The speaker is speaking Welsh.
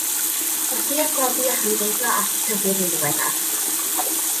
Wedi arbrofi a chymreigio ap tywydd yn ddiweddar.